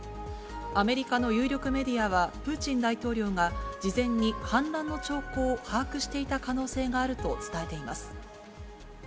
アメリカの有力メディアは、プーチン大統領が事前に反乱の兆候を把握していた可能性があると伝えています。